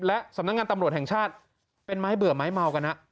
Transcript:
และสำนักงานตำรวจแห่งชาติเป็นไม้เบื่อไม้เมากันฮะ